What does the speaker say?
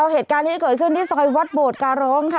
เหตุการณ์นี้เกิดขึ้นที่ซอยวัดโบดการร้องค่ะ